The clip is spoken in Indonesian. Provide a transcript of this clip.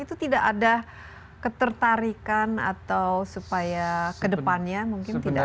itu tidak ada ketertarikan atau supaya kedepannya mungkin tidak